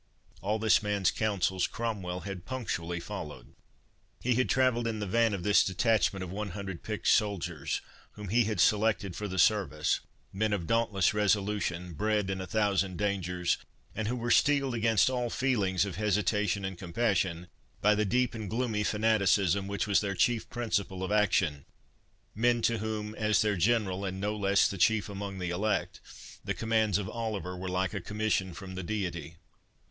All this man's counsels Cromwell had punctually followed. He had travelled in the van of this detachment of one hundred picked soldiers, whom he had selected for the service, men of dauntless resolution, bred in a thousand dangers, and who were steeled against all feelings of hesitation and compassion, by the deep and gloomy fanaticism which was their chief principle of action—men to whom, as their General, and no less as the chief among the Elect, the commands of Oliver were like a commission from the Deity.